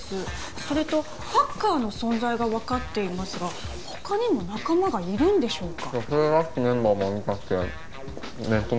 それとハッカーの存在が分かっていますが他にも仲間がいるんでしょうか？